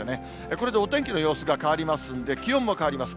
これでお天気の様子が変わりますんで、気温も変わります。